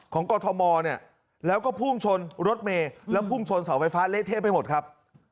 กรทมเนี่ยแล้วก็พุ่งชนรถเมย์แล้วพุ่งชนเสาไฟฟ้าเละเทะไปหมดครับ